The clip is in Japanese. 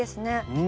うん。